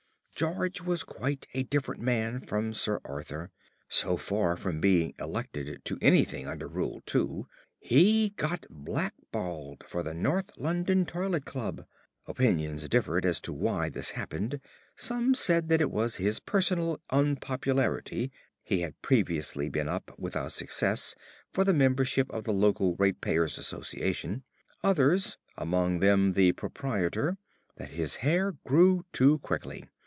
"George was quite a different man from Sir Arthur. So far from being elected to anything under Rule Two, he got blackballed for the North London Toilet Club. Opinions differed as to why this happened; some said that it was his personal unpopularity (he had previously been up, without success, for the membership of the local Ratepayers Association) others (among them the Proprietor), that his hair grew too quickly.